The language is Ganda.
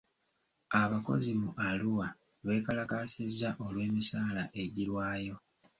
Abakozi mu Arua beekalakaasizza olw'emisaala egirwayo.